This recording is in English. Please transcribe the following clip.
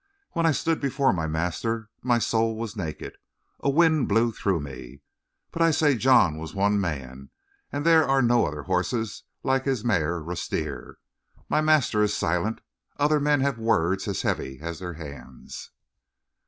When I stood before my master my soul was naked; a wind blew through me. But I say John was one man; and there are no other horses like his mare Rustir. My master is silent; other men have words as heavy as their hands."